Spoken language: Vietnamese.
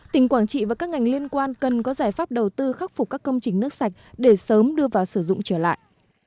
tỉnh quảng trị và các ngành liên quan cần có giải pháp đầu tư khắc phục các công trình nước sạch để sớm đưa vào sử dụng trở lại